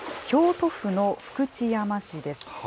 京都府の福知山市です。